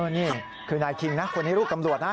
นี่คือนายคิงนะคนนี้ลูกตำรวจนะ